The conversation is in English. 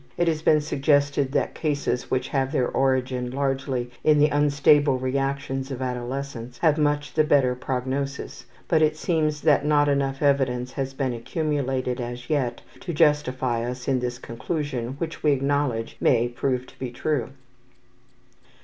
It has been suggested that cases which have their origin largely in the unstable reactions of adolescence have much the better prognosis, but it seems that not enough evidence has been accumulated as yet to justify us in this conclusion, which, we acknowledge, may prove to be true.